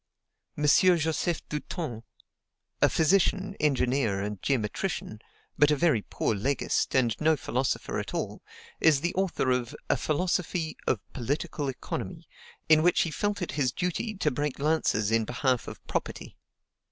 M. Joseph Dutens a physician, engineer, and geometrician, but a very poor legist, and no philosopher at all is the author of a "Philosophy of Political Economy," in which he felt it his duty to break lances in behalf of property.